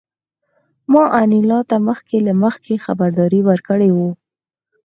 ما انیلا ته مخکې له مخکې خبرداری ورکړی و